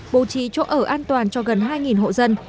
bố trí chỗ ở an toàn cho gần hai hộ dân